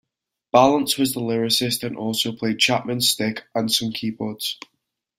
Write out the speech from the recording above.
Balance was the lyricist and also played Chapman Stick and some keyboards.